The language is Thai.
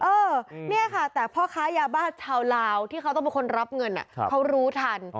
เออเนี่ยค่ะแต่พ่อค้ายาบ้าชาวลาวที่เขาต้องเป็นคนรับเงินเขารู้ทัน